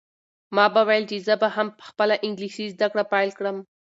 ما به ویل چې زه به هم خپله انګلیسي زده کړه پیل کړم.